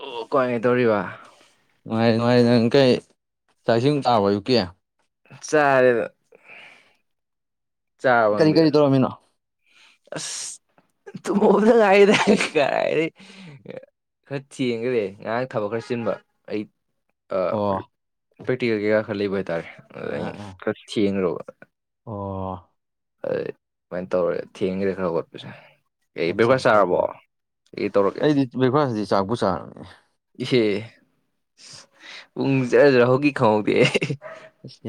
ꯑꯣ ꯀꯣꯏꯉꯩ ꯇꯧꯔꯤꯕ ꯅꯨꯡꯉꯥꯏ ꯅꯨꯡꯉꯥꯏꯔꯤ ꯅꯪ ꯀꯩ ꯆꯥꯛ ꯏꯁꯤꯡ ꯆꯔꯥꯕꯣ ꯑꯌꯨꯛꯀꯤ ꯆꯥꯔꯦꯗ ꯆꯥꯔꯕ ꯀꯔꯤ ꯅꯪꯗꯤ ꯀꯔꯤ ꯇꯧꯔꯝꯃꯤꯅꯣ ꯑꯁ ꯇꯨꯝ ꯍꯧꯕꯗꯥ ꯉꯥꯏꯔꯤꯗꯥ ꯀꯔꯥꯏꯗꯩꯩ ꯈꯔ ꯊꯦꯡꯒꯗꯦ ꯉꯥꯔꯥꯡ ꯊꯕꯛ ꯈꯔ ꯆꯤꯟꯕ ꯑꯩ ꯑꯥ ꯑꯣ ꯄ꯭ꯔꯦꯛꯇꯤꯀꯦꯜ ꯀꯩꯀꯥ ꯈꯔ ꯂꯩꯕ ꯍꯥꯏꯇꯥꯔꯦ ꯑꯥ [unintelligible] ꯑꯥ ꯈꯔ ꯊꯦꯡꯈ꯭ꯔꯕ ꯑꯣ [unintelligible] ꯇꯧꯔꯦ ꯊꯦꯡꯒꯔꯦ ꯈꯔ ꯍꯧꯒꯠꯄꯁꯦ ꯑꯦ ꯑꯠꯆꯥ ꯕ꯭ꯔꯦꯛꯐꯥꯁ ꯑꯠꯆꯥ ꯆꯥꯔꯕꯣ ꯆꯥ ꯑꯩ ꯇꯧꯔꯛꯀꯦ ꯑꯩꯗꯤ ꯕ꯭ꯔꯦꯛꯐꯥꯁꯇꯗꯤ ꯆꯥꯛꯄꯨ ꯆꯥꯔꯕꯅꯦ ꯏꯍꯦ ꯄꯨꯡ ꯖꯔ ꯖꯔ ꯍꯧꯒꯤ ꯈꯪꯍꯧꯗꯦ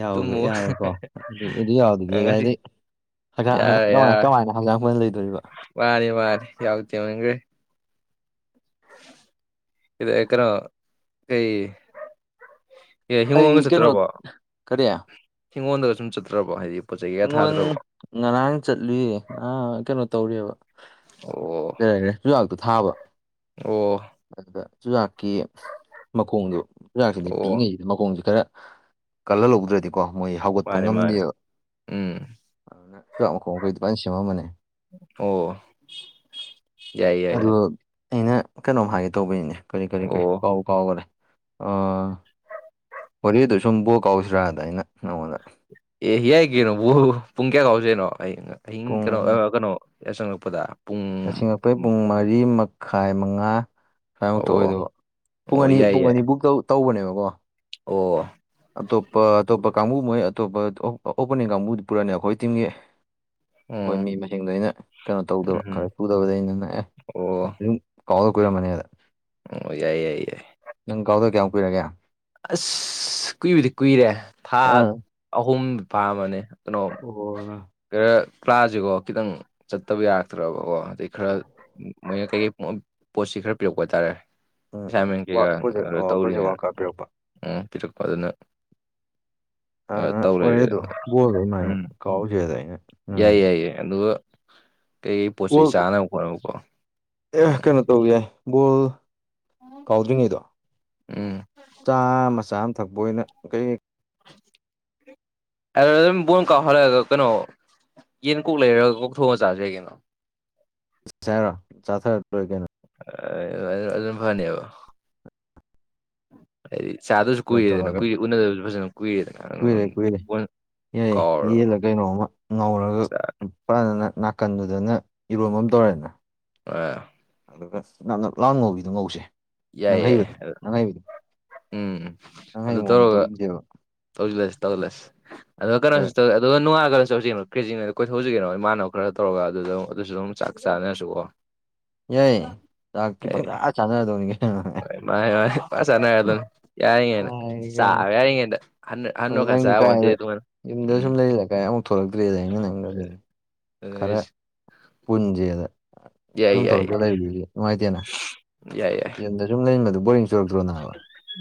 ꯌꯥꯎꯗ ꯇꯨꯃꯣ ꯌꯥꯔꯣꯏꯀꯣ ꯑꯗꯨꯗꯤ ꯑꯗꯨ ꯌꯥꯎꯗꯗꯤ ꯑꯥ ꯉꯁꯤ ꯀꯥꯏꯗꯩ ꯌꯥꯔꯦ [unintelligible] ꯂꯣꯏꯗꯣꯔꯤꯕ ꯃꯅꯤ ꯃꯅꯤ ꯌꯥꯍꯧ ꯊꯦꯡꯃꯟꯒꯔꯦ ꯏꯗ ꯀꯩꯅꯣ ꯀꯩ ꯑꯦ ꯑꯩ ꯍꯤꯡꯒꯣꯜꯒ ꯀꯩꯅꯣ ꯆꯠꯇ꯭ꯔꯕꯣ ꯀꯔꯤ ꯍꯤꯡꯒꯣꯜꯗꯒ ꯁꯨꯝ ꯆꯠꯇ꯭ꯔꯕꯣ ꯍꯥꯏꯗꯤ ꯄꯣꯠ ꯆꯩ ꯀꯩꯀꯥ ꯍꯤꯡꯉꯣꯟ ꯊꯥꯗ꯭ꯔꯕꯣ ꯉꯔꯥꯡ ꯆꯠꯂꯨꯌꯦ ꯉꯥꯡ ꯀꯩꯅꯣ ꯇꯧꯔꯤꯌꯦꯕ ꯑꯣ ꯀꯔꯤ ꯍꯥꯏꯒꯔꯦ ꯆꯨꯖꯥꯛꯇꯣ ꯊꯥꯕ ꯑꯣ ꯑꯗꯨꯗ ꯆꯨꯖꯥꯛꯀꯤ ꯃꯈꯣꯡꯗꯣ ꯆꯨꯨꯔꯥꯛꯁꯤꯗꯤ ꯑꯣ ꯄꯤꯛꯏꯉꯩ ꯃꯈꯣꯡꯁꯦ ꯈꯔ ꯀꯜꯍꯜꯍꯧꯗ꯭ꯔꯗꯤꯀꯣ ꯃꯣꯏ ꯍꯧꯒꯠꯄ ꯃꯥꯅꯦ ꯃꯥꯅꯦ ꯉꯝꯗꯦꯕ ꯎꯝ ꯑꯗꯨ ꯅ ꯃꯈꯣꯡꯈꯩ ꯗꯨꯃꯥꯏꯟ ꯁꯦꯝꯃꯥꯝꯕꯅꯦ ꯑꯣ ꯌꯥꯏ ꯌꯥꯏ ꯑꯗꯣ ꯌꯥꯏ ꯑꯩꯅ ꯀꯩꯅꯣꯝ ꯍꯥꯏꯒꯦ ꯇꯧꯕꯅꯤꯅꯦ ꯀꯔꯤ ꯀꯔꯤ ꯑꯣ ꯀꯔꯤ ꯀꯥꯎ ꯀꯥꯎꯒꯔꯦ ꯍꯣꯔꯦꯗꯨ ꯁꯨꯝ ꯕꯣ ꯀꯥꯎꯁꯤꯔꯥꯗ ꯑꯩꯅ ꯅꯪꯉꯣꯟꯗ ꯑꯦ ꯌꯥꯏ ꯀꯩꯅꯣꯕꯨ ꯄꯨꯡ ꯀꯌꯥ ꯀꯥꯎꯁꯦꯍꯥꯏꯅꯣ ꯑꯍꯤꯡ ꯄꯨꯡ ꯀꯩꯅꯣ ꯀꯩꯅꯣ ꯌꯆꯪꯉꯛꯄꯗ ꯌꯥꯆꯪꯉꯛꯄꯩ ꯄꯨꯡ ꯃꯔꯤ ꯃꯈꯥꯏ ꯃꯉꯥ ꯁꯥꯏꯃꯨꯛꯇ ꯑꯣ ꯑꯣꯏꯗꯨꯕ ꯄꯨꯡ ꯑꯣ ꯑꯅꯤ ꯌꯥꯏ ꯄꯨꯡ ꯌꯥꯏ ꯑꯅꯤ ꯕꯨꯛ ꯇꯧ ꯇꯧꯕꯅꯦꯕꯀꯣ ꯑꯣ ꯑꯇꯣꯞꯄ ꯑꯇꯣꯞꯄ ꯀꯥꯡꯕꯨ ꯃꯣꯏ ꯑꯇꯣꯞꯄ ꯑꯣꯄꯅꯤꯡ ꯀꯥꯡꯕꯨ ꯄꯨꯔꯅꯤ ꯑꯩꯈꯣꯏ ꯇꯤꯝꯒꯤ ꯑꯩꯈꯣꯏ ꯎꯝ ꯃꯤ ꯃꯁꯤꯡꯗ ꯑꯩꯅ ꯀꯩꯅꯣ ꯇꯧꯗꯕ ꯈꯔ ꯎꯝ ꯁꯨꯗꯕꯗꯩ ꯑꯩꯅꯥ ꯑꯦ ꯑꯣ ꯑꯗꯨꯝ ꯀꯥꯎꯗ ꯀꯨꯏꯔꯝꯃꯅꯤꯗ ꯎꯝ ꯌꯥꯏ ꯌꯥꯏ ꯌꯥꯏ ꯅꯪ ꯀꯥꯎꯗ ꯀꯌꯥꯝ ꯀꯨꯏꯔꯒꯦ ꯑꯁ ꯀꯨꯏꯕꯗꯤ ꯀꯨꯏꯔꯦ ꯊꯥ ꯑꯥ ꯑꯍꯨꯝ ꯐꯔꯝꯃꯅꯤ ꯀꯩꯅꯣ ꯑꯣ ꯈꯔ ꯀ꯭ꯂꯥꯁꯦꯀꯣ ꯈꯤꯇꯪ ꯆꯠꯇꯕ ꯌꯥꯔꯛꯇ꯭ꯔꯕꯀꯣ ꯑꯗꯩ ꯈꯔ ꯑꯣ ꯃꯣꯏꯅ ꯀꯩꯀꯩ ꯄꯣꯠꯁꯤ ꯈꯔ ꯄꯤꯔꯛꯄ ꯍꯥꯏꯇꯥꯥꯔꯦ ꯎꯝ ꯎꯝ ꯑꯦꯁꯥꯏꯟꯃꯦꯟ ꯀꯩꯀꯥ ꯄ꯭ꯔꯣꯖꯦꯛ ꯑꯣ ꯄ꯭ꯔꯣꯖꯦꯛ ꯋꯥꯔꯛꯀ ꯇꯧꯔꯤꯉꯩꯅ ꯄꯤꯔꯛꯄ ꯎꯝ ꯄꯤꯔꯛꯄ ꯑꯗꯨꯅ ꯑ ꯇꯧ ꯂꯩꯔꯦ ꯑꯣꯏꯔꯦꯗꯣ ꯕꯣꯜꯗ ꯑꯗꯨꯃꯥꯏꯅ ꯎꯝ ꯀꯥꯎꯖꯩꯗ ꯑꯩꯅ ꯎꯝ ꯌꯥꯏ ꯑꯗꯨꯒ ꯀꯩꯀꯩ ꯄꯣꯠ ꯆꯩ ꯕꯣꯜ ꯆꯥꯅꯕ ꯈꯣꯠꯅꯕꯀꯣ ꯎꯝ ꯇ ꯌꯥꯏ ꯣꯜ ꯀꯥꯎꯗ꯭ꯔꯤꯉꯩꯗꯣ ꯎꯝ ꯆꯥ ꯃꯆꯥꯥ ꯑꯃ ꯊꯛꯄ ꯑꯣꯏꯅ ꯀꯩ ꯑ ꯑꯗꯨ ꯑꯗꯨꯝ ꯕꯣꯟ ꯀꯥꯎꯞꯍꯜꯂꯛꯑꯒ ꯀꯩꯅꯣ ꯌꯦꯟ ꯀꯣꯛ ꯂꯩꯔꯒ ꯀꯣꯛꯊꯣꯡꯉ ꯆꯥꯖꯔꯤ ꯀꯩꯅꯣ ꯍꯥꯏꯔꯣ ꯆꯥꯊꯔꯛ ꯂꯣꯏ ꯀꯩꯅꯣ ꯑ ꯑꯗꯨꯅ ꯐꯅꯤꯕꯣ ꯍꯥꯏꯗꯤ ꯆꯥꯗꯕꯁꯨ ꯀꯩꯅꯣ ꯀꯨꯏꯔꯦꯗꯅ ꯇꯧꯔꯒ ꯀꯨꯏꯔꯦ ꯎꯅꯗꯕꯁꯨ ꯐꯖꯅ ꯀꯨꯏꯔꯦꯗꯅ ꯑꯦ ꯀꯥꯎꯔ ꯌꯦ ꯀꯩꯅꯣꯝꯃ ꯉꯧꯔꯒ ꯆꯥ ꯐꯖꯅ ꯅꯥꯀꯟꯗꯨꯗꯅ ꯏꯔꯣꯟꯕ ꯑꯃ ꯇꯧꯔꯦꯅ ꯑ ꯑꯗꯨꯒ ꯅꯅ ꯂꯥꯟ ꯉꯧꯤꯗꯣ ꯉꯧꯁꯦ ꯌꯥꯏ ꯅꯪ ꯌꯥꯏ ꯍꯩꯕꯗꯣ ꯅꯪ ꯍꯩꯕꯗꯣ ꯎꯝ ꯎꯝ ꯅꯪ ꯑꯗꯨ ꯍꯩꯕ ꯃꯑꯣꯡꯗ ꯇꯧꯔꯒ ꯇꯧꯁꯦꯕ ꯇꯧꯖꯂꯁ ꯇꯧꯂꯁ ꯑꯗꯨꯒ ꯀ ꯑꯗꯨꯅꯒꯂꯧꯁꯤ ꯀ꯭ꯔꯦꯖꯤꯤꯡꯉꯗ ꯀꯣꯏꯊꯣꯛꯁꯤꯒꯦꯅꯣ ꯏꯃꯅꯕ ꯈꯔ ꯇꯧꯔꯒ ꯑꯗꯨ ꯑꯗꯨꯝ ꯑꯗꯨꯁꯨ ꯑꯗꯨꯝ ꯆꯥꯛ ꯆꯥꯅꯔꯁꯨꯀꯣ ꯌꯥꯏ ꯆꯥꯛ ꯈꯤꯇꯪ ꯆ ꯆꯥꯟꯅꯔꯗꯧꯅꯤꯒꯦ ꯍ ꯃꯥꯅꯦ ꯃꯥꯁꯅ ꯑꯗꯨ ꯌꯥꯏꯉꯦꯅ ꯆꯥꯏ ꯆꯥ ꯀꯩꯅꯣ ꯌꯥꯔꯤꯉꯩꯗ ꯍ ꯍꯟꯅ ꯋꯥꯀꯥꯟ ꯆꯥ ꯍꯟꯗꯦ ꯑꯗꯨ ꯎꯝ ꯀꯦ ꯂꯩ ꯀꯥꯏ ꯑꯃꯨꯛ ꯊꯣꯛꯂꯛꯇ꯭ꯔꯦꯗ ꯑꯩꯅ ꯅꯪ ꯑꯗꯨꯗꯤ ꯑꯗꯨꯅꯦ ꯈꯔ ꯍꯥꯏꯁꯦ ꯄꯨꯟꯁꯦꯗ ꯌꯥꯏ ꯌꯨꯝ ꯌꯥꯏ ꯊꯣꯛꯂꯛꯇꯒ ꯂꯩꯕꯗꯨꯗꯤ ꯅꯨꯡꯉꯥꯏꯇꯦꯅ ꯌꯥꯏ ꯌꯥꯏ ꯌꯨꯝꯗ ꯁꯨꯝ ꯂꯩꯟꯕꯗꯨ ꯕꯣꯔꯤꯡ ꯆꯨꯔꯛꯇ꯭ꯔꯣ ꯅꯕ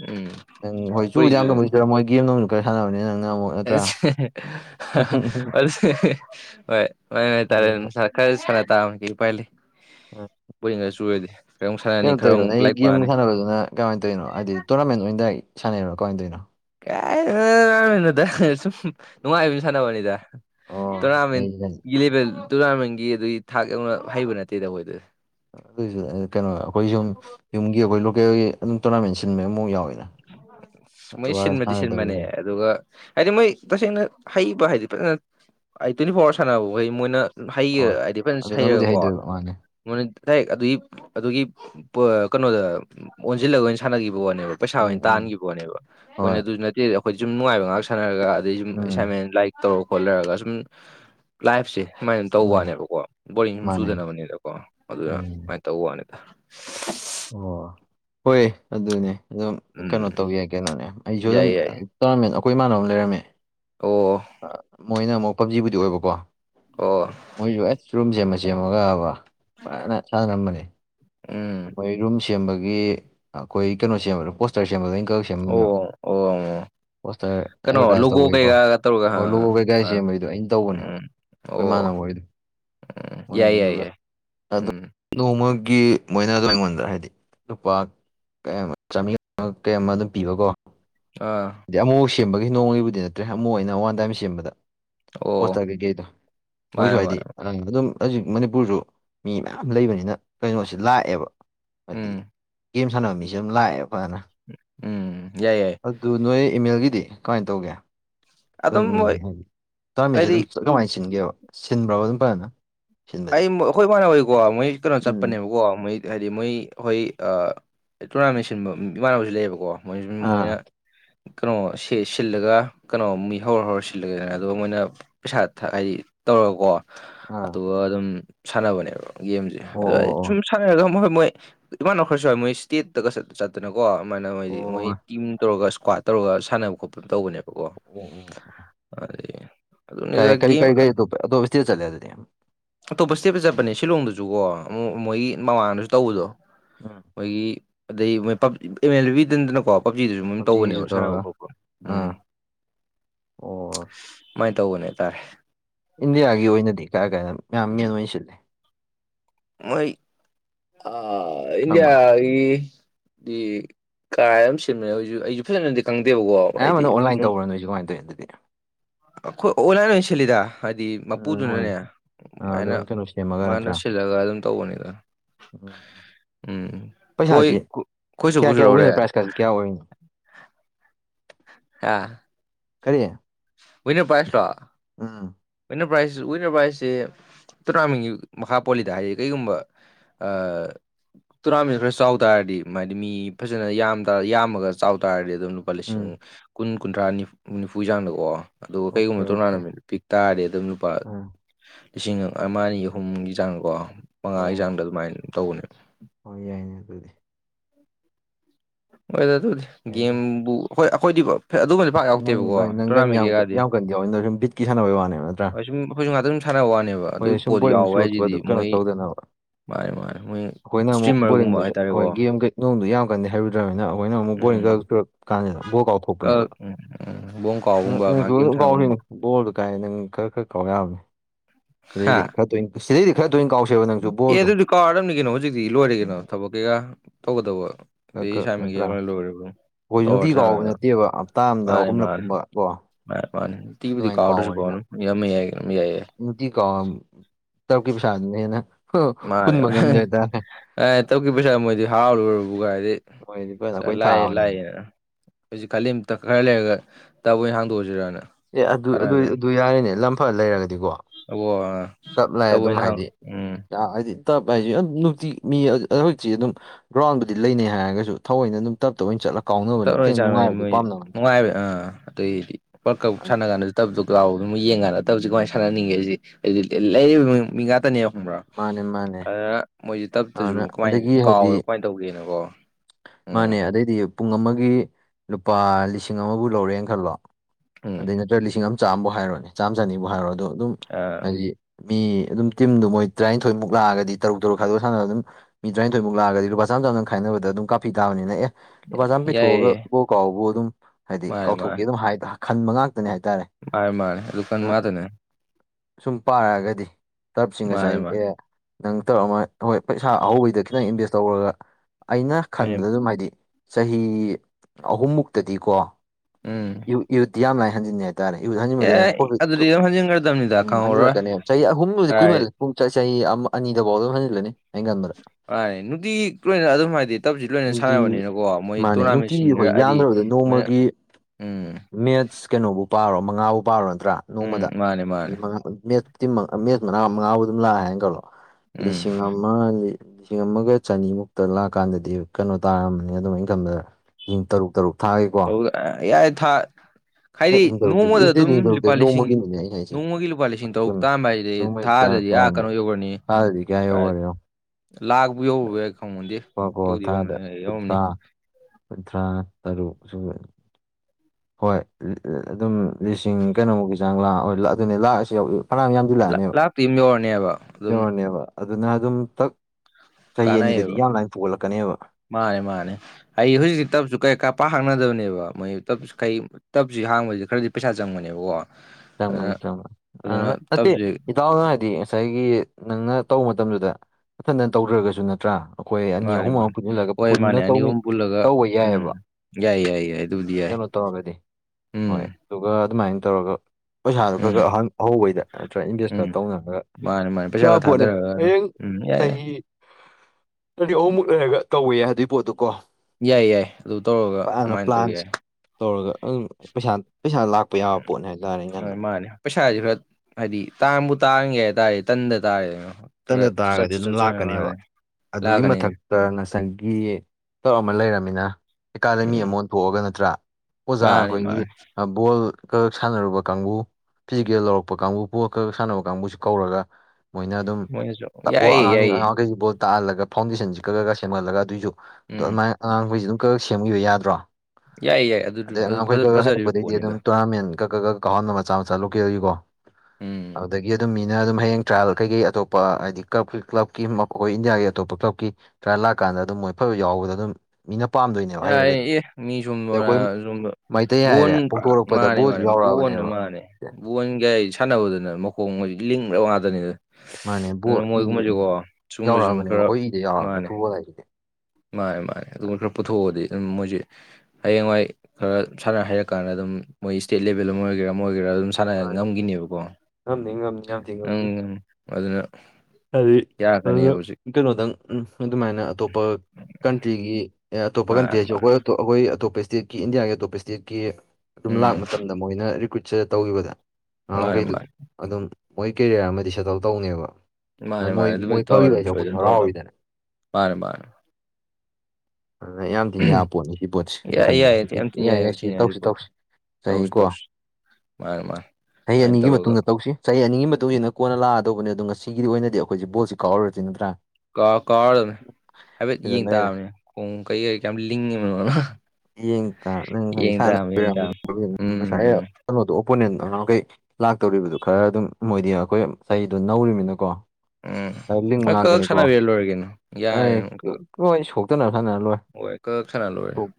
ꯎꯝ ꯅꯪ ꯍꯣꯏ ꯆꯨꯕꯗꯤ ꯌꯥꯝ ꯄꯨꯔꯤꯗꯨꯗꯅꯤ ꯀ ꯆ ꯃꯣꯏ ꯒꯦꯝꯅꯨꯡꯝꯁꯨ ꯀꯔꯤ ꯁꯥꯟꯅꯕꯅꯤ ꯅꯪꯅ ꯑꯃꯨꯛ ꯅꯠꯇ꯭ꯔꯥ ꯃꯥꯏ ꯃꯥꯏ ꯇꯥꯔꯦ ꯑꯗꯨꯅ ꯁꯥ ꯈꯔ ꯁꯔ ꯇꯥꯕꯅꯤ ꯀꯩ ꯎꯄꯥꯏ ꯂꯩ ꯄꯣꯡꯒ ꯆꯨꯔꯗꯤ ꯈꯔ ꯑꯃꯨꯛ ꯁꯥꯟꯅꯅꯤ ꯀꯩꯅꯣ ꯈꯔ ꯇꯧꯔꯤꯔꯣ ꯑꯃꯨꯛ ꯅꯪ ꯂꯥꯏꯔꯤꯛ ꯒꯦꯝ ꯄꯥꯅꯤ ꯁꯥꯟꯅꯕꯗꯨꯅ ꯀꯃꯥꯏꯅ ꯇꯧꯔꯤꯅꯣ ꯍꯥꯏꯗꯤ ꯇꯣꯔꯅꯥꯃꯦꯟ ꯑꯣꯏꯅ ꯁꯥꯟꯅꯩꯔꯅꯣ ꯀꯃꯥꯏꯅ ꯇꯧꯔꯤꯅꯣ ꯀꯃꯤꯅꯣꯗ ꯁꯨꯝ ꯅꯨꯡꯉꯥꯏꯕ ꯁꯥꯟꯅꯕꯅꯤꯗ ꯑꯣ ꯑꯩ ꯇꯣꯔꯅꯥꯃꯦꯟꯒꯤ ꯂꯦꯚꯦꯜ ꯇꯣꯔꯅꯥꯃꯦꯟꯒꯤ ꯑꯗꯨꯒꯤ ꯊꯥꯛ ꯌꯧꯅ ꯍꯩꯕ ꯅꯠꯇꯦꯗꯈꯣꯏꯗ ꯑꯗꯨꯏꯁꯨ ꯀꯩꯅꯣ ꯑꯩꯈꯣꯏ ꯁꯨꯝ ꯌꯨꯝꯒꯤ ꯑꯩꯈꯣꯏ ꯂꯣꯀꯦꯜꯒꯤ ꯑꯗꯨꯝ ꯇꯣꯔꯅꯥꯃꯦꯟ ꯁꯤꯟꯕ ꯑꯃꯨꯛ ꯌꯥꯎꯋꯦꯅ ꯁ ꯃꯣꯏ ꯁꯤꯟꯕꯗꯤ ꯁꯤꯟꯕꯅꯦ ꯑꯗꯨꯒ ꯍꯥꯏꯗꯤ ꯃꯣꯏ ꯇꯁꯦꯡꯅ ꯍꯩꯕ ꯍꯥꯏꯗꯤ ꯐꯖꯅ ꯇ꯭ꯋꯦꯟꯇꯤ ꯐꯣꯔ ꯑꯋꯥꯔꯁ ꯁꯥꯟꯅꯕꯈꯩ ꯃꯣꯏꯅ ꯍꯩꯌꯦ ꯍꯣꯏ ꯍꯥꯏꯗꯤ ꯐꯖ ꯑꯗꯨꯅꯕꯨꯗꯤ ꯍꯩꯔꯒꯀꯣ ꯍꯩꯗꯣꯏꯕ ꯃꯥꯅꯦ ꯃ ꯗꯥꯏꯔꯦꯛ ꯑꯗꯨꯒꯤ ꯑꯗꯨꯒꯤ ꯀꯩꯅꯣꯗ ꯑꯣꯟꯁꯤꯜꯂꯒ ꯑꯣꯏꯅ ꯁꯥꯟꯅꯈꯤꯕ ꯋꯥꯅꯦꯕ ꯄꯩꯁꯥ ꯎꯝ ꯑꯣꯏꯅ ꯎꯝ ꯇꯥꯍꯈꯤꯕꯣꯅꯦꯕ ꯍꯣꯏ ꯑꯩꯈꯅ ꯑꯗꯨꯁꯨꯠꯇꯦꯗ ꯑꯩꯈꯣꯏ ꯁꯨꯝ ꯅꯨꯡꯉꯥꯏꯕ ꯉꯥꯏꯥꯛ ꯁꯥꯟꯅꯔꯒ ꯑꯗꯩ ꯁꯨꯝ ꯎꯝ ꯑꯦꯁꯥꯏꯟꯃꯦꯟ ꯂꯥꯏꯔꯤꯛ ꯇꯧꯔ ꯈꯣꯠꯂꯔꯒ ꯁꯨꯝ ꯂꯥꯏꯐꯁꯦ ꯁꯨꯃꯥꯏꯅ ꯑꯗꯨ ꯇꯧꯕ ꯎꯝ ꯋꯥꯅꯦꯕꯀꯣ ꯕꯣꯔꯤꯡ ꯁꯨꯝ ꯃꯥꯅꯦ ꯆꯨꯗꯅꯕꯅꯦꯅꯀꯣ ꯎꯝ ꯑꯗꯨꯃꯥꯏ ꯇꯧ ꯋꯥꯅꯤꯗ ꯑꯣ ꯍꯣꯏ ꯑꯗꯨꯅꯦ ꯑꯗꯨꯝ ꯎꯝ ꯀꯩꯅꯣ ꯇꯧ ꯌꯥꯏ ꯀꯩꯅꯣꯅꯦ ꯑꯩꯁꯨ ꯑꯗꯨꯝ ꯌꯥꯏ ꯌꯥꯏ ꯇꯣꯔꯅꯥꯃꯦꯟ ꯑꯩꯈꯣꯏ ꯏꯃꯥꯟꯅꯕ ꯑꯃ ꯂꯩꯔꯝꯃꯦ ꯑꯣ ꯃꯣꯏꯅ ꯑꯃꯨꯛ ꯄꯞꯖꯤꯕꯨꯗꯤ ꯑꯣꯏꯕꯀꯣ ꯑꯣ ꯃꯣꯏꯁꯨ ꯑꯦꯁ ꯆꯨꯝꯁꯦꯃ ꯁꯦꯝꯃꯒꯕ ꯐꯖꯅ ꯁꯥꯟꯅꯔꯝꯕꯅꯤ ꯎꯝ ꯃꯣꯏ ꯔꯨꯝ ꯁꯦꯝꯕꯒꯤ ꯑꯩꯈꯣꯏ ꯀꯩꯅꯣ ꯁꯦꯝꯕꯗꯣ ꯄꯣꯁꯇꯔ ꯁꯦꯝꯕꯗꯣ ꯑꯩꯅ ꯀꯛ ꯁꯦꯝꯃꯝꯃꯦꯕ ꯑꯣ ꯑꯣ ꯄꯣꯁꯇꯔ ꯀꯩꯅꯣ ꯑꯦꯗꯚꯔꯇꯥꯏꯁ ꯂꯣꯒꯣ ꯇꯧꯕꯒꯤꯀꯣ ꯀꯩꯀꯥꯒ ꯑꯣ ꯂꯨ ꯇꯧꯔꯒ ꯀꯩ ꯒꯥꯔꯤ ꯑꯥ ꯁꯦꯝꯕꯩꯗꯣ ꯑꯩꯅ ꯇꯧꯕꯅꯦꯕ ꯑꯩꯈꯣꯏ ꯃꯥꯥꯟꯅ ꯑꯣ ꯑꯣꯏꯗꯣ ꯎꯝ ꯌꯥꯏ ꯌꯥꯏ ꯌꯥꯏ ꯑꯗꯨ ꯎꯝ ꯅꯣꯡꯃꯒꯤ ꯃꯣꯏꯅ ꯑꯗꯨꯝ ꯑꯩꯉꯣꯟꯗ ꯍꯥꯏꯕꯗꯤ ꯂꯨꯄꯥ ꯆꯥꯝꯃꯔꯤ ꯀꯌꯥ ꯑꯃ ꯑꯗꯨꯝ ꯄꯤꯕꯀꯣ ꯑꯥ ꯍꯥꯏꯗꯤ ꯑꯃꯨꯥꯎ ꯁꯦꯝꯕꯒꯤ ꯅꯣꯡꯃꯒꯤꯕꯨꯗꯤ ꯅꯠꯇ꯭ꯔꯦ ꯑꯃꯨꯛ ꯑꯩꯅ ꯋꯥꯟ ꯇꯥꯏꯝ ꯁꯦꯝꯕꯗ ꯑꯣ [unintelligible] ꯃꯣꯏꯁꯨ ꯃꯥꯅꯦ ꯍꯥꯏꯗꯤ ꯃꯥꯅꯦ ꯑꯗꯨ ꯑꯗꯨꯝ ꯍꯧꯖꯤꯛ ꯃꯅꯤꯄꯨꯔꯁꯨ ꯃꯤ ꯃꯌꯥꯝ ꯂꯩꯕꯅꯤꯅ ꯀꯩꯅꯣꯁꯤ ꯂꯥꯛꯑꯦꯕ ꯍꯥꯏꯗꯤ ꯎꯝ ꯒꯦꯝ ꯁꯥꯟꯅꯕ ꯃꯤꯁꯨ ꯑꯗꯨꯝ ꯂꯥꯛꯑꯦ ꯐꯖꯅ ꯎꯝ ꯌꯥꯏ ꯌꯥꯏ ꯑꯗꯨ ꯅꯣꯏ ꯑꯦꯃꯦꯜꯒꯤꯗꯤ ꯀꯃꯥꯏꯅ ꯇꯧꯒꯦ ꯑꯗꯨꯝ ꯃꯤꯒꯦ ꯍꯥꯏꯗꯤ ꯇꯔꯃꯤꯁꯦ ꯑꯗꯨꯝ ꯍꯥꯏꯗꯤ ꯀꯃꯥꯏꯅ ꯁꯤꯟꯒꯦꯕ ꯁꯤꯟꯕ꯭ꯔꯕ ꯑꯗꯨꯝ ꯐꯖꯅ ꯁꯤꯟꯕꯗꯤ ꯑꯩ ꯑꯩꯈꯣꯏ ꯏꯃꯅ ꯑꯣꯏꯀꯣ ꯃꯣꯏ ꯀꯩꯅꯣ ꯎꯝ ꯆꯠꯄꯅꯦꯕꯀꯣ ꯃꯣꯏ ꯍꯥꯏꯗꯤ ꯃꯣꯏ ꯑꯩꯈꯣꯏ ꯇꯣꯔꯅꯥꯃꯦꯟ ꯁꯤꯟꯕ ꯏꯃꯥꯟꯅꯕꯁꯨ ꯂꯩꯌꯦꯕꯀꯣ ꯃꯣꯏꯁꯨ ꯑꯥ ꯃꯣꯏꯅ ꯀꯩꯅꯣ ꯁꯤꯜꯂꯒ ꯀꯩꯅꯣ ꯃꯤ ꯍꯧꯔ ꯍꯧꯔ ꯁꯤꯜꯂꯒꯦꯗꯅ ꯑꯗꯣ ꯃꯣꯏꯅ ꯄꯩꯁꯥ ꯍꯥꯏꯗꯤ ꯇꯧꯔꯒꯀꯣ ꯑ ꯑꯗꯨꯒ ꯑꯗꯨꯝ ꯁꯥꯟꯅꯕꯅꯦꯕ ꯒꯦꯝꯁꯦ ꯑꯣ ꯑꯣ ꯑꯗꯨ ꯑꯣ ꯁꯨꯝ ꯁꯥꯟꯅꯔꯒ ꯍꯣꯏ ꯃꯣꯏ ꯏꯃꯥꯟ ꯈꯔꯁꯨ ꯍꯥꯏ ꯃꯣꯏ ꯏꯁ꯭ꯇꯦꯠꯇꯒ ꯆꯠꯇꯅꯀꯣ ꯑꯗꯨꯃꯥꯏꯅ ꯃꯣꯏꯗꯤ ꯃꯣꯏ ꯑꯣ ꯇꯤꯝ ꯇꯧꯔꯒ ꯏꯁꯀ꯭ꯋꯥꯠ ꯇꯧꯔꯒ ꯁꯥꯟꯅꯕ ꯈꯣꯠꯄ ꯇꯧꯕꯅꯦꯕꯀꯣ ꯑꯣ ꯑꯗꯒꯤ ꯀ ꯀꯔꯤ ꯀꯔꯤ ꯀꯔꯤ ꯑꯇꯣꯄ ꯑꯇꯣꯞꯄ ꯁꯤꯗ ꯆꯠꯂꯦ ꯑꯗꯨꯗꯤ ꯌꯥꯝ ꯑꯇꯣꯞꯄ ꯁ꯭ꯇꯦꯠꯇ ꯆꯠꯄꯅꯦ ꯁꯤꯂꯣꯡꯗꯁꯨꯀꯣ ꯑꯃꯨ ꯃꯣꯏꯒꯤ ꯃꯃꯥꯡꯗꯁꯨ ꯇꯧꯕꯗꯣ ꯎꯝ ꯃꯣꯏꯒꯤ ꯑꯗꯩ ꯃꯕꯤꯗꯗꯅꯀꯣ ꯄꯞꯖꯤꯗꯨꯁꯨ ꯃꯣꯏꯝ ꯄꯞꯖꯤꯒꯤꯁꯨ ꯇꯧꯕꯅꯦꯕ ꯇꯧꯔꯒ ꯁꯥꯟꯅꯕ ꯈꯣꯠꯄ ꯎꯝ ꯑꯥ ꯑꯣ ꯀꯃꯥꯏꯅ ꯇꯧꯕꯅꯦ ꯍꯥꯏꯇꯥꯔꯦ ꯏꯟꯗꯤꯌꯥꯒꯤ ꯑꯣꯏꯅꯗꯤ ꯀꯥꯏ ꯀꯥꯏꯗ ꯌꯥꯝ ꯃꯦꯟ ꯑꯣꯏꯅ ꯁꯤꯜꯂꯦ ꯃꯣꯏ ꯑ ꯈꯪꯕ꯭ꯔꯥ ꯏꯟꯗꯤꯌꯥ ꯀꯥꯏ ꯑꯃ ꯁꯦꯝꯅꯦ ꯍꯧꯖꯤꯁꯨ ꯑꯩꯁꯨ ꯐꯖꯅ ꯈꯪꯗꯦꯕꯀꯣ ꯑꯩꯗꯤ ꯑꯌꯥꯝꯕꯅ ꯑꯣꯟꯂꯥꯏꯟ ꯑꯗꯨꯝ ꯇꯧꯕ꯭ꯔꯥ ꯅꯣꯏꯁꯨ ꯀꯃꯥꯏꯅ ꯇꯧꯋꯤ ꯑꯗꯨꯗꯤ ꯑꯩꯈꯣꯏ ꯑꯣꯟꯂꯥꯏꯟ ꯑꯣꯏꯅ ꯁꯤꯜꯂꯤꯗ ꯍꯥꯏꯗꯤ ꯎꯝ ꯍꯣꯏ ꯃꯄꯨꯗꯨꯅꯅꯦ ꯑꯥ, ꯑꯗꯨꯃꯥꯏꯅ ꯑꯗꯨꯝ ꯀꯩꯅꯣ ꯁꯦꯝꯃꯒ ꯃꯥꯅ ꯅꯠꯇ꯭ꯔꯥ ꯁꯤꯜꯂꯒ ꯑꯗꯨꯝ ꯇꯧꯕꯅꯤꯗ ꯎꯝ ꯎꯝ ꯀꯣꯏ ꯄꯩꯁꯥꯁꯤ ꯑꯩꯣꯏꯁꯨ ꯀꯌꯥ ꯀꯌꯥ ꯄꯨꯖꯔꯛꯎꯔꯦ ꯋꯤꯟꯅꯔ ꯀꯌꯥ ꯑꯣꯏꯅꯣ ꯑꯥ ꯀꯔꯤ꯫ [unintelligible] ꯎꯝ꯫ ꯋꯤ ꯄ꯭ꯔꯥꯏ ꯋꯤꯟꯅꯔ ꯄ꯭ꯔꯥꯏꯖꯁꯤ ꯇꯣꯔꯅꯥꯃꯦꯟꯒꯤ ꯃꯈꯥ ꯄꯣꯜꯂꯤꯗ ꯍꯥꯏꯗꯤ ꯀꯩꯒꯨꯝꯕ꯫ ꯑ꯫ ꯇꯣꯔꯅꯥꯃꯦꯟꯁ ꯈꯔ ꯆꯥꯎ ꯇꯥꯔꯗꯤ ꯍꯥꯏꯗꯤ ꯃꯤ ꯐꯖꯅ ꯌꯥꯝ ꯌꯥꯝꯃꯒ ꯆꯥꯎ ꯇꯥꯔꯗꯤ ꯑꯗꯨꯝꯅ꯫ ꯂꯨꯄꯥ ꯎꯝ ꯂꯤꯁꯤꯡ ꯀꯨꯟ ꯀꯨꯟꯊ꯭ꯔꯥ ꯅꯤꯐꯨ ꯆꯥꯡꯗꯀꯣ꯫ ꯑꯗꯨꯒ ꯑꯣꯀꯦ ꯀꯩꯒꯨꯝꯕ ꯑꯣꯀꯦ ꯇꯣꯔꯅꯥꯃꯦꯟ ꯄꯤꯛ ꯇꯥꯔꯦ ꯑꯗꯨꯝ ꯂꯨꯄꯥ꯫ ꯎꯝ ꯂꯤꯁꯤꯡ ꯑꯃ ꯑꯅꯤ ꯑꯍꯨꯝꯒꯤ ꯆꯥꯡ ꯀꯣ ꯑꯣ ꯃꯉꯥꯒꯤ ꯆꯥꯡꯗ ꯑꯗꯨꯃꯥꯏꯅ ꯇꯧꯕꯅꯦ꯫ ꯍꯣꯏ ꯌꯥꯏꯅꯦ ꯑꯗꯨꯗꯤ꯫ ꯍꯣꯏ ꯑꯗꯨꯗꯤ ꯌꯥꯏꯅꯦ ꯒꯦꯝꯕꯨ ꯍꯣꯏ ꯑꯩꯈꯣꯏꯗꯤ ꯄꯥꯛ ꯅꯪ ꯌꯥꯎꯗꯦꯕꯀꯣ ꯍꯣꯏ ꯅꯪꯒꯟ ꯇꯣꯔꯅꯥꯃꯦꯟ ꯌꯥꯝ ꯀꯟ- ꯀꯩꯀꯥꯗꯤ ꯌꯥꯝ ꯀꯟꯗꯤ ꯌꯥꯎꯋꯤꯅ ꯁꯨꯝ ꯕꯤꯠꯀꯤ ꯁꯥꯟꯅꯕꯩ ꯋꯥꯅꯦꯕ ꯅꯠꯇ꯭ꯔꯥ ꯁꯨꯝ ꯑꯩꯈꯣꯏ ꯉꯥꯛꯇꯪ ꯁ ꯁꯨꯝ ꯁꯥꯟꯅꯕ ꯋꯥꯅꯦꯕ ꯍꯣꯏ ꯑꯗꯨꯒꯤ ꯁꯨꯝ ꯄꯣꯠ ꯕꯣꯔꯤꯡ ꯌꯥꯎꯕ ꯍꯥꯏꯁꯤꯗꯤ ꯆꯨꯔꯛꯄꯗꯨ ꯀꯩꯅꯣ ꯃꯣꯏ ꯇꯧꯗꯅꯕ ꯃꯥꯅꯤ ꯃꯥꯅꯤ ꯃꯣꯏ ꯏꯁꯇ꯭ꯔꯤꯃꯔꯒꯨꯝꯕ ꯍꯥꯏꯇꯥꯔꯦꯀꯣ ꯅꯣꯡꯗꯗꯨ ꯌꯥꯝ ꯀꯟꯗꯤꯦ ꯍꯥꯏꯔꯨꯗ꯭ꯔꯕꯅꯤꯅ ꯑꯩꯈꯣꯏꯅ ꯑꯃꯨꯛ ꯕꯣꯔꯡ ꯎꯝ ꯀꯛ ꯆꯨꯔꯛ ꯀꯥꯟꯁꯤꯗ ꯕꯣꯣꯔ ꯀꯥꯎꯊꯣꯛꯄꯅꯦꯕ ꯀꯛ ꯎꯝ ꯎꯝ ꯣꯡ ꯅꯪꯁꯨ ꯑꯗꯨꯝ ꯀꯥꯎꯔꯤꯅꯤ ꯕꯣꯜꯗ ꯀꯥꯏ ꯅꯪ ꯈꯔ ꯈꯔ ꯀꯥꯎ ꯌꯥꯕꯅꯤ ꯍꯥ ꯁꯤꯗꯩꯗꯤ ꯈꯠꯇꯣꯏꯅꯤ ꯁꯤꯗꯩꯗꯤ ꯈꯔ ꯇꯣꯏꯅ ꯀꯥꯎꯁꯦꯕ ꯅꯪꯁꯨ ꯕꯣꯜꯗꯣ ꯀꯥꯔꯝꯅꯤ ꯀꯩꯅꯣ ꯍꯧꯖꯤꯛꯇꯤ ꯂꯣꯏꯔ ꯀꯅꯣ ꯊꯕꯛ ꯀꯩꯀꯥ ꯇꯧꯒꯗꯧꯕ ꯈꯔ ꯑꯗꯨ ꯈꯔ ꯅꯠꯇ꯭ꯔꯥ ꯁꯝꯃꯤꯒꯤꯌꯥ ꯂꯣꯏꯔꯕꯣ ꯑꯩꯈꯣꯏ ꯅꯨꯡꯇꯤ ꯀꯥꯎꯕ ꯅꯠꯇꯦꯕ ꯍꯞꯇꯥ ꯑꯝꯗ ꯑ ꯍꯨꯝꯂꯛꯀꯨꯝꯕ ꯀꯣ꯫ ꯃꯅꯤ ꯃꯅꯤ ꯅꯨꯡꯇꯤꯒꯤꯕꯨꯗꯤ ꯑꯗꯨꯃꯥꯏꯅ ꯀꯥꯎꯗꯔꯁꯨꯀꯣ꯫ ꯀꯥꯎꯕꯅꯤꯅ [unintelligible] ꯅꯨꯡꯇꯤ ꯀꯥꯎ ꯇꯞꯀꯤ ꯄꯩꯁꯥꯗꯨꯅ ꯍꯦꯅ꯫ ꯃꯥꯅꯦꯕ ꯑꯦ ꯇꯞꯀꯤ ꯄꯩꯁꯥ ꯃꯣꯏꯗꯤ ꯍꯥꯔꯥꯎ ꯂꯣꯏꯔꯕꯨ ꯀꯥꯏꯗꯩꯩ꯫ ꯃꯣꯏꯗꯤ ꯐꯖꯅ ꯑꯩꯈꯣꯏꯅ ꯆꯂꯥꯏ ꯊꯥꯕꯅꯤꯅ ꯂꯥꯛꯏꯅ꯫ ꯑꯩꯁꯨ ꯈꯂꯤꯝ ꯈꯔ ꯂꯩꯔꯒ ꯇꯞ ꯑꯣꯏꯅ ꯍꯥꯡꯗꯣꯛꯑꯁꯤꯔꯅ ꯑꯦ ꯑꯗꯨ ꯑꯗꯨ ꯁꯥꯟꯅꯔꯁꯤꯔ ꯑꯗꯨ ꯌꯥꯔꯦꯅꯦ ꯂꯝꯐ ꯂꯩꯔꯒꯗꯤꯀꯣ꯫ ꯑꯣ ꯇꯞ ꯂꯩ ꯇꯕ ꯑꯗꯨꯝ ꯑꯣꯏꯅ ꯍꯥꯡ ꯍꯥꯏꯗꯤ ꯎꯝ ꯍꯥꯏꯗꯤ ꯇꯞ ꯍꯥꯏꯁꯤ ꯑꯗꯨ ꯅꯨꯡꯇꯤ꯫ ꯃꯤ ꯍꯧꯖꯤꯛꯇꯤ ꯑꯗꯨꯝ ꯒ꯭ꯔꯥꯎꯟꯕꯨꯗꯤ ꯂꯩꯅꯩ ꯍꯥꯏꯔꯒꯁꯨ ꯊꯑꯣꯏꯅ ꯑꯗꯨꯝ ꯇꯞꯇ ꯑꯣꯏꯅ ꯆꯠꯂꯛꯄ꯫ ꯀꯥꯎꯅꯕꯅꯦ ꯇꯞꯅ ꯈꯤꯇꯪ ꯆꯥꯡꯅꯩ ꯅꯨꯡꯉꯥꯏꯕꯗꯨ ꯃꯣꯏ ꯄꯥꯝꯅꯕꯅꯤꯅ꯫ ꯅꯨꯡꯉꯥꯏꯕ ꯑꯥ ꯑꯗꯩꯩꯗꯤ ꯋꯥꯜ ꯀꯥꯂꯞ ꯁꯥꯟꯅ ꯀꯥꯟꯗ ꯇꯕꯗꯣ ꯂꯥꯎ꯫ ꯑꯃꯨꯛ ꯌꯦꯡꯀꯥꯟꯗ ꯇꯞꯁꯤ ꯀꯃꯥꯏꯅ ꯁꯥꯟꯅꯅꯤꯡꯉꯦ ꯍꯥꯏꯗꯤ ꯂꯩꯔꯤꯕ ꯃꯤ ꯉꯥꯛꯇꯅꯦꯕ꯫ ꯈꯪꯕꯔ ꯃꯥꯅꯦ ꯃꯥꯅꯦ ꯑꯗꯨꯅ꯫ ꯃꯣꯏꯁꯦ ꯇꯞꯇꯁꯨ ꯑꯗꯨꯅ ꯀꯃꯥꯏꯅ ꯑꯗꯒꯤ ꯍꯥꯏꯗꯤ ꯀꯥꯎꯕꯗꯨ ꯀꯃꯥꯏꯅ ꯇꯧꯒꯦꯅꯀꯣ ꯎꯝ꯫ ꯃꯥꯅꯦ ꯑꯗꯩꯗꯤ ꯄꯨꯡ ꯑꯃꯒꯤ ꯂꯨꯄꯥ ꯂꯤꯁꯤꯡ ꯑꯃꯕꯨ ꯂꯧꯔꯦꯅ ꯈꯜꯂꯣ ꯎꯝ ꯑꯗꯨꯗꯩꯩꯅ꯫ ꯂꯤꯁꯤꯡ ꯑꯃ ꯆꯥꯝꯃꯕꯨ ꯍꯥꯏꯔꯣꯅꯦ ꯆꯥꯝꯃ ꯆꯅꯤꯕꯨ ꯍꯥꯏꯔꯣ ꯑꯗꯣ ꯑꯗꯨꯝ ꯑꯥ ꯍꯥꯏꯗꯤ꯫ ꯃꯤ ꯑꯗꯨꯝ ꯇꯤꯟꯝꯗꯨ ꯃꯣꯏ ꯇꯔꯥꯅꯤꯊꯣꯏꯃꯨꯛ ꯂꯥꯛꯑꯒꯗꯤ ꯇꯔꯨꯛ ꯇꯔꯨꯛ ꯈꯥꯏꯗꯣꯛꯑ꯫ ꯁꯅꯔꯁꯨ ꯑꯗꯨꯝ ꯃꯤ ꯇꯔꯥꯅꯤꯊꯣꯏꯃꯨꯛ ꯂꯥꯛꯒꯗꯤ ꯂꯨꯄꯥ ꯆꯥꯝ ꯆꯥꯝꯅ ꯈꯥꯏꯅꯕꯗ ꯑꯗꯨꯝ ꯀꯥꯞꯐꯤ ꯇꯥꯕꯅꯤꯅ ꯑꯦ꯫ ꯂꯨꯄꯥ ꯆꯥꯝꯃ ꯄꯤꯊꯣꯛꯑꯒ ꯌꯥꯏꯌꯦ ꯕꯣꯜ ꯀꯥꯎꯕꯕꯨ ꯑꯗꯨꯝ ꯍꯥꯏꯗꯤ ꯃꯥꯅꯦ ꯀꯥꯎꯊꯣꯛꯀꯦ ꯑꯗꯨꯝ ꯈꯟꯕ ꯉꯥꯛꯇꯅꯤ ꯍꯥꯏꯇꯥꯔꯦ꯫ ꯃꯥꯥꯏ ꯃꯥꯥꯏ ꯂꯗꯨꯀꯥꯟꯕ ꯑꯗꯨꯅ ꯉꯥꯛꯇꯅꯤ꯫ ꯁꯨꯝ ꯄꯥꯔꯛꯑꯒꯗꯤ ꯇꯔꯞꯁꯤ ꯃꯥꯅꯦ ꯉꯁꯥꯏꯒꯤ ꯃꯥꯅꯦ ꯑꯦ ꯅꯪ ꯇꯔꯞ ꯑꯃ꯫ ꯍꯣꯏ ꯄꯩꯁꯥ ꯑꯍꯧꯕꯩꯗ ꯈꯤꯇꯪ ꯏꯟꯚꯦꯁ ꯇꯧꯈꯔꯒ ꯑꯩꯅ ꯃꯣꯏꯅ ꯈꯟꯕꯗ ꯑꯗꯨꯝ ꯍꯥꯏꯗꯤ꯫ ꯆꯍꯤ ꯑꯍꯨꯝꯃꯨꯛꯇꯗꯤ ꯀꯣ꯫ ꯎꯝ꯫ ꯏꯍꯨꯠ ꯏꯍꯨꯠꯇꯤ ꯌꯥꯝꯅ ꯂꯥꯏ ꯍꯟꯖꯤꯟ ꯌꯥꯏꯗ꯫ ꯍꯥꯏꯇꯥꯔꯦ ꯏꯍꯨꯠꯖꯤꯟꯕ ꯑꯦ ꯄ꯭ꯔꯣꯐꯤꯠꯁꯨ ꯑꯗꯨꯗꯤ ꯑꯗꯨꯝ ꯍꯟꯖꯤꯟꯈ꯭ꯔꯗꯕꯅꯤꯗ ꯎꯝ ꯈꯪꯍꯧꯔꯣꯏ ꯍꯟꯖꯤꯜꯂꯛꯀꯅꯦꯕꯥ ꯆꯍꯤ ꯑꯍꯨꯝꯗꯨꯗꯤ ꯀꯥꯏ ꯀꯨꯏꯃꯜꯂꯦ꯫ ꯄꯨꯡ ꯆꯍꯤ ꯑꯃ ꯑꯅꯤꯗꯐꯥꯎꯗ ꯑꯗꯨꯝ ꯍꯟꯖꯤꯜꯂꯅꯤ ꯑꯩ ꯈꯟꯕꯗ꯫ ꯃꯥꯅꯦ ꯅꯨꯡꯇꯤꯒꯤ ꯂꯣꯏꯅ ꯑꯗꯨꯝ ꯍꯥꯏꯗꯤ ꯇꯞꯕꯁꯤ ꯂꯣꯏꯅ ꯅꯨꯡꯇꯤ ꯁꯥꯟꯅꯕꯅꯤꯅꯀꯣ ꯃꯣꯏ ꯇꯣꯔꯅꯥꯃꯦꯟꯁꯤꯡ ꯈꯔ ꯍꯥꯏꯗꯤ ꯃꯣꯏꯅ꯫ ꯒꯤ ꯎꯝ ꯃꯦꯠꯁ ꯀꯩꯅꯣꯕꯨ ꯄꯥꯔꯣ ꯃꯉꯥꯕꯨ ꯄꯥꯔꯣ ꯅꯠꯇ꯭ꯔꯥ꯫ ꯎꯝ ꯅꯣꯡꯃꯗ ꯃꯥꯅꯦ ꯃꯥꯅꯦ ꯃꯤ ꯃꯉꯥ ꯃꯠ ꯃꯉꯥ ꯃꯉꯥꯕꯨ ꯑꯗꯨꯝ ꯂꯥꯛꯑꯦ ꯍꯥꯏꯅ ꯈꯜꯂꯣ ꯎꯝ ꯂꯤꯁꯤꯡ ꯑꯃ ꯂꯤꯁꯤꯡ ꯑꯃꯒ ꯆꯅꯤꯃꯨꯛꯇ ꯂꯥꯛꯀꯥꯟꯗꯗꯤ ꯀꯩꯅꯣ ꯇꯥꯔꯝꯕꯅꯤ ꯑꯗꯨꯝ ꯏꯟꯊꯝꯗ ꯄꯨꯡ ꯇꯔꯨꯛ ꯇꯔꯨꯛ ꯊꯥꯒꯦꯀꯣ ꯇꯧ ꯌꯥꯏ ꯊꯥ ꯍꯥꯏꯗꯤ ꯍꯤꯡꯗꯧꯗꯗꯤ ꯅꯣꯡꯃꯗ ꯗꯦꯠ ꯑꯗꯨꯝ ꯍꯤꯡꯗꯧꯗ ꯂꯨꯄꯥ ꯂꯤꯁꯤꯡ ꯅꯣꯡꯃꯒꯤꯅꯤꯅꯦ ꯑꯩ ꯍꯥꯏꯁꯦ ꯅꯣꯡꯃꯒꯤ ꯂꯨꯄꯥ ꯂꯤꯁꯤꯡ ꯇꯔꯨꯛ ꯁꯨꯝ ꯇꯥꯥꯟꯕ ꯍꯥꯏꯁꯦ ꯑꯗꯨ ꯅꯣꯡꯃꯩ ꯇꯥ ꯊꯥꯗꯗꯤ ꯌꯥ ꯇꯥ- ꯀꯩꯅꯣ ꯌꯧꯒꯅꯤ ꯊꯥꯗꯗꯤ ꯀꯌꯥ ꯌꯧꯈꯔꯦ ꯂꯥꯛꯄ ꯌꯧꯔꯨꯕ ꯌꯥ ꯈꯪꯉꯗꯤ ꯀꯣꯀꯣ ꯌꯧꯗꯦ ꯊꯥꯗ ꯌꯔꯝꯅꯤꯅ ꯑꯩ ꯀꯨꯟꯊ꯭ꯔꯥ ꯌꯧꯔꯝꯅꯤ ꯀꯨꯟꯊ꯭ꯔꯥ ꯇꯔꯨꯛ ꯁꯨꯕ ꯍꯣꯏ ꯑꯗꯨꯝ ꯂꯤꯁꯤꯡ ꯀꯩꯅꯣꯃꯨꯛꯀꯤ ꯆꯥꯡ ꯂꯥꯛ ꯍꯣꯏ ꯑꯗꯨꯅꯤ ꯂꯥꯛꯑꯁꯤ ꯐꯔꯌꯥꯝ ꯌꯥꯝ ꯏꯂꯅꯦꯕ ꯂꯥꯛꯇꯤ ꯑꯗꯨꯝ ꯌꯧꯔꯅꯦꯕ ꯑꯗꯨꯝ ꯏꯅꯦꯕ ꯑꯗꯨꯅ ꯑꯗꯨꯝ ꯊꯛ ꯆꯍꯤ ꯑꯅꯤꯗꯗꯤ ꯀꯥꯟꯅꯩꯌꯦꯕ ꯌꯥꯝ ꯂꯥꯏꯅ ꯄꯨꯒꯠꯂꯛꯀꯅꯦꯕ꯫ ꯃꯥꯅꯦ ꯃꯥꯅꯦ ꯑꯩ ꯍꯧꯖꯤꯛꯇꯤ ꯇꯞꯁꯨ ꯀꯩ ꯀꯥ ꯄꯥꯛ ꯍꯪꯅꯗꯕꯅꯦꯕ ꯃꯣꯏ ꯇꯞꯁꯨ ꯀꯩ꯫ ꯇꯞꯕꯁꯤ ꯍꯥꯡꯕꯁꯤꯕꯁꯤ ꯈꯔꯗꯤ ꯄꯩꯁꯥ ꯆꯪꯕꯅꯦꯕꯀꯣ꯫ ꯆꯪꯕꯅꯤ ꯑꯗꯨꯅ ꯆꯪꯕ ꯑ ꯑꯗꯨꯅ ꯅꯠꯇꯦ ꯇꯞꯁꯤ ꯏꯗꯥꯎꯅ ꯍꯥꯏꯗꯤ ꯉꯁꯥꯏꯒꯤ꯫ ꯅꯪꯅ ꯇꯧꯕ ꯃꯇꯝꯗꯨꯗ ꯃꯊꯟꯗꯅ ꯇꯧꯗ꯭ꯔꯒꯁꯨ ꯅꯠꯇ꯭ꯔꯥ꯫ ꯑꯩꯈꯣꯏ ꯑꯅꯤ ꯃꯥꯅꯦ ꯑꯍꯨꯝ ꯑꯃ ꯃꯥꯅꯦ ꯄꯨꯟꯁꯤꯜꯂꯒ ꯍꯣꯏ ꯃꯥꯅꯦ ꯄꯨꯟꯅꯧ ꯑꯅꯤ ꯇꯧꯃꯤꯟ ꯑꯍꯨꯝ ꯄꯨꯜꯂꯒ ꯇꯧꯕ ꯌꯥꯏ ꯎꯝ ꯍꯥꯏꯕ ꯌꯥꯏ ꯌꯥꯏ ꯌꯥꯏ ꯑꯗꯨꯕꯨꯗꯤ ꯌꯥꯏ ꯀꯩꯅꯣ꯫ ꯇꯧꯔꯒꯗꯤ ꯍꯣꯏ ꯎꯝ ꯑꯗꯨꯒ ꯑꯗꯨꯃꯥꯏꯅ ꯇꯧꯔꯒ꯫ ꯄꯩꯁꯥꯗꯣ ꯈꯔ ꯎꯝ ꯈꯔ ꯑꯍꯧꯕꯩꯗ ꯅꯠꯇ꯭ꯔꯒ ꯏꯟꯚꯦꯁ ꯎꯝ ꯈꯔ ꯇꯧꯅꯔꯒ꯫ ꯃꯥꯅꯦ ꯃꯥꯅꯦ ꯄꯩꯁꯥꯒ ꯌꯥꯄꯣꯠꯅꯦ ꯊꯥꯗꯔꯒ ꯑꯗꯨꯝ ꯍꯌꯦꯡ ꯎꯝ ꯌꯥꯏ ꯆꯍꯤ꯫ ꯑꯗꯨꯗꯤ ꯑꯍꯨꯝꯃꯨꯛ ꯂꯩꯔꯒ ꯇꯧꯋꯦ ꯌꯥꯏ ꯑꯗꯨꯏ ꯄꯣꯠꯇꯨ ꯀꯣ꯫ ꯌꯥꯏ ꯌꯥꯏ ꯑꯗꯨ ꯇꯧꯔꯒ ꯐꯖꯅ ꯑꯗꯨꯃꯥꯏꯅ ꯇꯧꯒꯤ ꯄ꯭ꯂꯥꯟꯁꯦ ꯌꯥꯏ꯫ ꯇꯧꯔꯒ ꯄꯩꯁꯥ ꯄꯩꯁꯥ ꯂꯥꯛꯄ ꯌꯥꯕ ꯄꯣꯠꯅꯦ ꯍꯥꯏ ꯍꯣꯏ ꯃꯥꯅꯦ ꯄꯩꯁꯥꯥꯁꯦ ꯈꯔ ꯍꯥꯏꯗꯤ ꯇꯥꯡꯕꯨ ꯇꯥꯡꯒꯦ ꯍꯥꯏꯇꯥꯔꯦ ꯇꯟꯗ ꯇꯥꯔꯦꯅ ꯈꯔ ꯇꯟꯗ ꯇꯥꯔꯒꯗꯤ ꯆꯠꯁꯨ ꯑꯗꯨꯝ ꯆꯠꯆꯥꯔꯥ ꯂꯥꯛꯀꯅꯦꯕ ꯃꯥꯜꯂꯦ ꯑꯗꯨꯒꯤ ꯃꯊꯛꯇꯥ ꯉꯁꯥꯏꯒꯤ [unintelligible] ꯑꯃ ꯂꯩꯔꯃꯤꯅ ꯑꯦꯀꯥꯗꯃꯤ ꯎꯝ ꯑꯃ ꯑꯣꯟꯊꯣꯛꯑꯒꯥ ꯅꯠꯇ꯭ꯔꯥ ꯑꯣꯖꯥ ꯃꯥꯅꯦ ꯑꯩꯈꯣꯏꯒꯤ ꯃꯥꯅꯦ ꯕꯣꯜ ꯀꯛ ꯁꯥꯟꯅꯔꯨꯕ ꯀꯥꯡꯕꯨ ꯐꯤꯖꯤꯀꯦꯜ ꯂꯧꯔꯛꯄꯥ ꯀꯥꯡꯕꯨ ꯕꯣꯜ ꯈꯔ ꯈꯔꯁꯥꯟꯅꯕ ꯀꯥꯡꯕꯨꯁꯨ ꯀꯧꯔꯒꯥ ꯃꯣꯏꯅ ꯑꯗꯨꯝ ꯑꯣꯏꯅꯖꯨ ꯕꯣꯜ ꯑꯉꯥꯡ ꯑꯉꯥꯡꯈꯩ ꯕꯣꯜ ꯇꯥꯛꯍꯜꯂꯒꯥ ꯐꯥꯎꯟꯗꯦꯁꯟꯁꯤ ꯈꯔꯥꯒꯥ ꯁꯦꯝꯍꯜꯂꯒꯥ ꯑꯗꯨꯏꯁꯨ ꯑꯗꯨꯗꯣ ꯎꯝ ꯑꯗꯨꯃꯥꯏꯅ ꯑꯉꯥꯡꯈꯩꯁꯨ ꯑꯗꯨꯝ ꯈꯔ ꯁꯦꯝꯕꯤꯕ ꯌꯥꯗ꯭ꯔꯣ ꯌꯥꯏ ꯌꯥꯏ ꯑꯗꯨꯗꯨ ꯑꯗꯩ ꯑꯗꯨ ꯑꯉꯥꯡꯈꯣꯏ ꯐꯖ ꯈꯔ ꯐꯖꯔꯤꯕ ꯍꯥꯏꯔꯛꯄꯗꯒꯤꯗꯤ ꯑꯗꯨꯝ ꯄꯣꯠꯅꯤꯗ ꯇꯣꯔꯅꯥꯃꯦꯟ ꯀꯥꯒ ꯀꯥꯒ ꯀꯥꯎꯍꯟꯕ ꯃꯆꯥ ꯃꯆꯥ ꯂꯣꯀꯦꯜꯒꯤꯀꯣ ꯎꯝ ꯑꯗꯨꯗꯥꯒꯤ ꯑꯗꯨꯝ ꯃꯤꯅ ꯑꯗꯨꯝ ꯍꯌꯦꯡ ꯇ꯭ꯔꯥꯏꯌꯦꯜ ꯀꯩꯀꯩ ꯑꯇꯣꯞꯄ ꯄꯥ ꯍꯥꯏꯗꯤ ꯀ꯭ꯂꯀꯤ ꯀ꯭ꯂꯕꯀꯤ ꯑꯩꯈꯣꯏ ꯏꯟꯗꯤꯌꯥꯒꯤ ꯑꯇꯣꯞꯄ ꯀ꯭ꯂꯕꯀꯤ ꯈꯔ ꯂꯥꯛꯀꯥꯟꯗꯥ ꯑꯗꯨꯝ ꯃꯣꯏ ꯐꯕ ꯌꯥꯎꯕꯗꯥ ꯑꯗꯨꯝ ꯃꯤꯅ ꯄꯥꯝꯗꯣꯏꯅꯦꯕ ꯍꯩꯔꯒꯗꯤ ꯌꯥꯏꯌꯦ ꯃꯤ ꯑꯗꯩ ꯑꯩꯈꯣꯏ [unintelligible] ꯃꯩꯇꯩ ꯕꯣꯟ ꯍꯥꯏꯔꯦ ꯄꯣꯛꯊꯣꯔꯛꯄꯗ ꯃꯥꯅꯦ ꯕꯣꯜꯁꯤ ꯃꯥꯅꯦ ꯕꯣꯟ ꯌꯥꯎꯔꯛꯑꯕꯅꯦꯕ ꯃꯥꯅꯦ ꯕꯣꯟ ꯀꯥꯏ ꯁꯥꯟꯅꯕꯗꯨꯅ ꯃꯈꯣꯡ ꯃꯔꯤ ꯂꯤꯡꯂꯕ ꯉꯥꯛꯇꯅꯤꯗꯥ ꯃꯥꯅꯦ ꯑꯗꯨ ꯕꯣꯜ ꯏ ꯃꯣꯏꯒꯨꯝꯕꯖꯨꯀꯣ ꯁꯤꯒꯨꯝꯕꯕꯁꯤꯖꯨ ꯌꯥꯎꯔꯛꯑꯕꯅꯦꯕ ꯈꯔ ꯑꯩꯈꯣꯏ ꯏꯗ ꯃꯥꯅꯤ [unintelligible] ꯃꯥꯅꯦ ꯃꯥꯅꯦ ꯑꯗꯨꯒꯨꯝꯕ ꯈꯔ ꯄꯨꯊꯣꯛꯑꯗꯤ ꯑꯗꯨꯝ ꯃꯣꯏꯖꯦ ꯍꯌꯦꯡꯋꯥꯏ ꯈꯔ ꯁꯥꯟꯅ ꯍꯩꯔꯀꯥꯟꯗꯥ ꯑꯗꯨꯝ ꯃꯣꯏ ꯁ ꯏꯁꯇꯦꯠ ꯂꯦꯕꯦꯜ ꯑꯃ ꯑꯣꯏꯒꯦꯔꯥ ꯑꯃ ꯑꯣꯏꯒꯦꯔꯥ ꯑꯗꯨꯝ ꯁꯥꯅ ꯃꯥꯅꯦ ꯉꯝꯒꯤꯅꯦꯕꯀꯣ ꯉꯝꯅꯤ ꯉꯝꯅꯤ ꯌꯥꯝ ꯊꯤ ꯉꯝꯅꯤ ꯑꯗꯨꯅ ꯍꯥꯏꯗꯤ ꯑꯗꯨ ꯌꯥꯔꯛꯀꯅꯦꯕ ꯍꯧꯖꯤꯛ ꯀꯩꯅꯣꯗꯪ ꯑꯗꯨꯃꯥꯏꯅ ꯑꯇꯣꯞꯄ ꯀꯟꯇ꯭ꯔꯤꯒꯤ ꯑꯦ ꯑꯇꯣꯞꯄ ꯀꯟꯇ꯭ꯔꯤꯁꯨ ꯃꯥꯅꯦ ꯃꯥꯅꯦ ꯑꯩꯈꯣꯏ ꯑꯩꯈꯣꯏ ꯑꯇꯣꯞꯄ ꯏꯁꯇꯦꯠꯀꯤ ꯏꯟꯗꯤꯌꯥꯒꯤ ꯑꯇꯣꯞꯄ ꯏꯁꯇꯦꯠꯀꯤ ꯑꯗꯨꯝ ꯎꯝ ꯂꯥꯛ ꯃꯇꯝꯗꯥ ꯃꯣꯏꯅ ꯔꯤꯀ꯭ꯋꯏꯠꯁꯦ ꯇꯧꯒꯤꯕꯗꯥ ꯃꯥꯅꯦ ꯑꯉꯥꯡꯈꯩꯗꯨ ꯃꯥꯅꯦ ꯑꯗꯨꯝ ꯃꯣꯏ ꯀꯦꯔꯤꯌꯔ ꯑꯃꯗꯤ ꯁꯦꯇꯜ ꯇꯧꯅꯦꯕ ꯑ ꯃꯥꯅꯦ ꯃꯣꯏ ꯃꯥꯅꯦ ꯃꯣꯏ ꯑꯗꯨꯃꯥꯏ ꯐꯈꯤꯕ ꯍꯥꯏꯁꯦ ꯇꯧꯔꯗꯤ ꯑꯩꯈꯣꯏꯁꯨ ꯁꯣꯏꯗꯥꯅ ꯇꯧꯔꯥꯗꯧꯅꯤ ꯍꯔꯥꯎꯋꯤꯗꯅ ꯃꯥꯅꯦ ꯃꯥꯅꯦ ꯑꯗꯨꯅ ꯏꯌꯥꯝ ꯊꯤꯅ ꯃꯥꯅꯦ ꯌꯥꯕ ꯄꯣꯠꯅꯤ ꯁꯤ ꯄꯣꯠꯁꯦ ꯑꯩꯅ ꯌꯥꯏ ꯈꯟꯕꯗꯥ ꯌꯥꯏ ꯌꯥꯝ ꯊꯤꯅ ꯌꯥꯏ ꯌꯥꯏ ꯌꯥꯝ ꯁꯤ ꯊꯤꯅ ꯑꯗꯨ ꯇꯧꯁꯤ ꯄꯣꯠꯇꯣ ꯇꯧꯁꯤ ꯆꯍꯤ ꯇꯧꯁꯤ ꯀꯣ ꯇꯧꯁꯤ ꯃꯥꯅꯤ ꯃꯥꯅꯤ ꯆꯍꯤ ꯁꯨꯃꯥꯏꯅ ꯑꯅꯤꯒꯤ ꯇꯧꯔꯒꯥ ꯃꯇꯨꯡꯗ ꯇꯧꯁꯤ ꯆꯍꯤ ꯑꯅꯤꯒꯤ ꯃꯇꯨꯡ ꯏꯁꯤꯟꯅ ꯀꯣꯟꯅ ꯂꯥꯛꯑꯗꯧꯕꯅꯦ ꯑꯗꯨ ꯉꯁꯤꯒꯤ ꯑꯣꯏꯅꯗꯤ ꯑꯈꯣꯏꯁꯦ ꯕꯣꯜꯁꯤ ꯀꯥꯎꯔꯨꯔꯁꯤ ꯅꯠꯇ꯭ꯔꯥ ꯀꯥꯎꯔ ꯀꯣꯎꯔꯗꯧꯅꯦ ꯍꯥꯏꯐꯦꯠ ꯁꯤꯗ ꯌꯦꯡ ꯂꯩꯔꯦ ꯇꯥꯕꯅꯦ ꯈꯣꯡ ꯀꯩ ꯀꯔꯤ ꯀꯌꯥꯝ ꯂꯤꯡꯉꯤꯕꯅꯣꯅ ꯍꯌꯦꯡ ꯇ ꯅꯪ ꯌꯦꯡ ꯁꯥꯟꯅꯝ ꯇꯥꯕꯅꯤ ꯌꯦꯡ ꯇꯥꯕꯅꯤ [unintelligible] ꯎꯝ ꯉꯁꯥꯏ ꯎꯝ ꯀꯩꯅꯣꯗꯣ ꯑꯣꯄꯣꯅꯦꯟꯗꯣ ꯑꯉꯥꯡꯈꯩ ꯂꯥꯛꯇꯧꯔꯤꯕꯗꯣ ꯈꯔ ꯑꯗꯨꯝ ꯃꯣꯏꯗꯤ ꯑꯩꯈꯣꯏ ꯆꯍꯤꯗꯣ ꯅꯧꯔꯤꯃꯤꯅꯀꯣ ꯎꯝꯝ [unintelligible] ꯀꯛ ꯀꯛ ꯉꯥꯛꯇꯅꯤꯀꯣ ꯁꯥꯟꯅꯕꯤꯔ ꯂꯣꯏꯔꯒꯦꯅ ꯑꯥꯏ ꯌꯥꯔꯦ ꯀꯛ ꯂꯣꯏ ꯁꯣꯛꯇꯅꯕ ꯁꯥꯟꯅꯔ ꯂꯣꯏꯔꯦ [unintelligible]